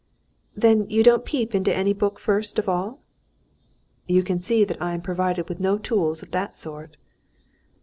"Then you don't peep into any book first of all?" "You can see that I am provided with no tools of that sort."